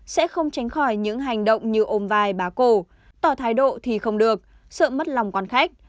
sẽ không tránh khỏi những hành động như ôm vài bá cổ tỏ thái độ thì không được sợ mất lòng quan khách